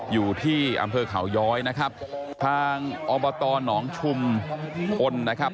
อยู่ที่อำเภอเขาย้อยนะครับทางอบตหนองชุมพลนะครับ